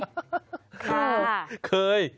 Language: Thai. ค่ะเคย